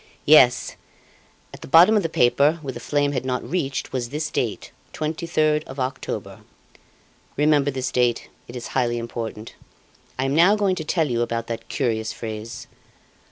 "Yes; at the bottom of the paper, where the flame had not reached, was this date: 23rd of October. Remember this date, it is highly important. I am now going to tell you about that curious phrase.